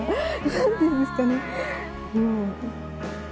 何ていうんですかねうん。